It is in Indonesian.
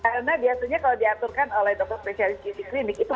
karena biasanya kalau diaturkan oleh dokter spesialis di klinik itu bisa